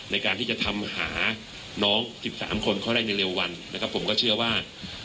ในการที่จะทำหาน้องสิบสามคนเขาได้ในเร็ววันผมก็เชื่อว่า